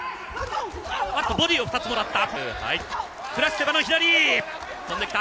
ボディーを２つもらった。